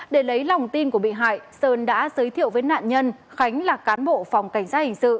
để lấy lòng tin của bị hại sơn đã giới thiệu với nạn nhân khánh là cán bộ phòng cảnh sát hình sự